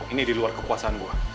ini di luar kepuasan gue